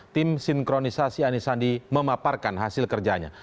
tim sinkronisasi anisandi memaparkan hasil kerjanya